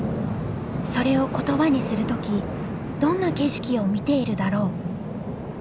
それを言葉にする時どんな景色を見ているだろう？